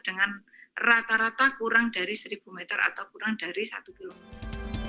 dengan rata rata kurang dari seribu meter atau kurang dari satu kilometer